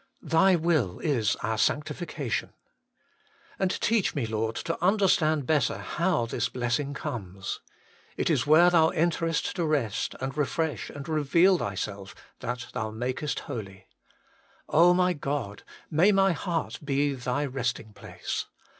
Thy will is our sanctification. And teach me, Lord, to understand better how this blessing comes. It is where Thou enterest to HOLINESS AND CREATION. 35 rest, to refresh and reveal Thyself, that Thou makest holy. my God ! may my heart be Thy resting place.